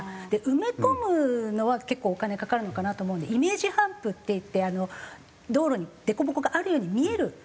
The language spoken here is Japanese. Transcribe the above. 埋め込むのは結構お金かかるのかなと思うんでイメージハンプっていって道路に凸凹があるように見えるものがあるんですけど